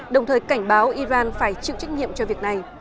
đồng thời cảnh báo iran phải chịu trách nhiệm cho việc này